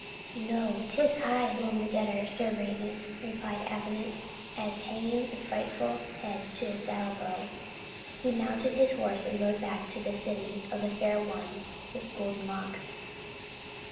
"No, it is I who am your debtor, Sir Raven," replied Avenant, as, hanging the frightful head to his saddle bow, he mounted his horse and rode back to the city of the Fair One with Golden Locks.